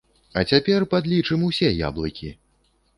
А цяпер падлічым усе яблыкі!